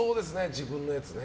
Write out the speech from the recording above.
自分のやつね。